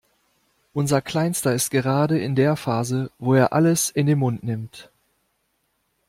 Unser Kleinster ist gerade in der Phase, wo er alles in den Mund nimmt.